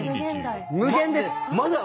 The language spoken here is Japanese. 無限です！